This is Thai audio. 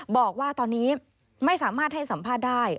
บอกว่าตอนนี้ไม่สามารถให้สัมภาษณ์ได้